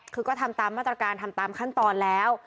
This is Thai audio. คือก็ทำตามมาตรการทำตามขั้นตอนแล้ว